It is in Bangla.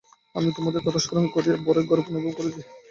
আমি তোমাদের কথা স্মরণ করিয়া বড়ই গৌরব অনুভব করিতেছি।